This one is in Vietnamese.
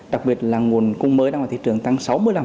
đặc biệt là nguồn cung mới đang ở thị trường tăng sáu mươi năm